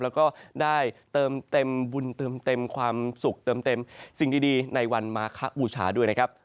แล้วก็ได้เติมเต็มบุญเติมเต็มความสุขเติมเต็มสิ่งดีในวันมาคบูชาด้วยนะครับ